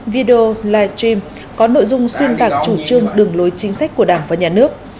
video live stream có nội dung xuyên tạc chủ trương đường lối chính sách của đảng và nhà nước